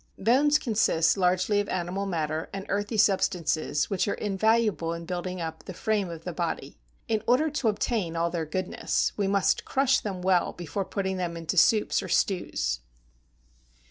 Bones consist largely of animal matter, and earthy substances which are invaluable in building up the frame of the body. In order to obtain all their goodness, we must crush them well before putting them into soups or stews.